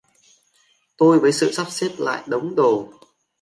Tôi với Sự sắp xếp lại đống đồ